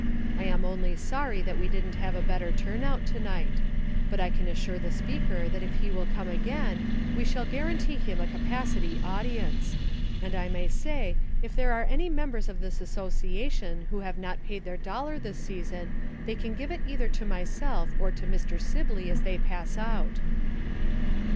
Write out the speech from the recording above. I am only sorry that we didn't have a better turn out to night. But I can assure the speaker that if he will come again, we shall guarantee him a capacity audience. And I may say, that if there are any members of this association who have not paid their dollar this season, they can give it either to myself or to Mr. Sibley as they pass out."